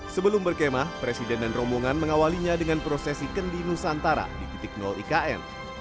sebelum berkemah presiden dan rombongan mengawalinya dengan prosesi kendi nusantara di titik ikn